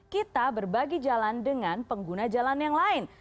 kita berbagi jalan dengan pengguna jalan yang lain